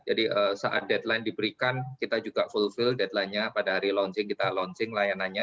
dan setelah deadline diberikan kita juga fulfill deadline nya pada hari launching kita launching layanannya